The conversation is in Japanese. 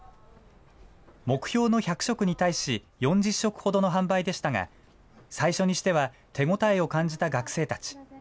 目標の１００食に対し、４０食ほどの販売でしたが、最初にしては手応えを感じた学生たち。